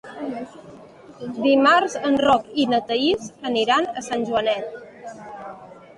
Dimarts en Roc i na Thaís aniran a Sant Joanet.